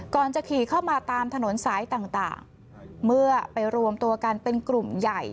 จะขี่เข้ามาตามถนนซ้ายต่างเมื่อไปรวมตัวกันเป็นกลุ่มใหญ่